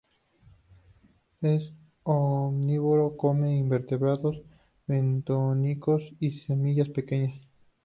Es omnívoro: come invertebrados bentónicos y semillas pequeñas.